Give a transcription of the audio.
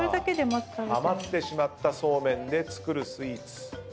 余ってしまったそうめんで作るスイーツ。